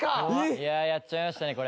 いやあやっちゃいましたねこれ。